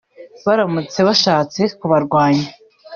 baramutse bashatse kubarwanya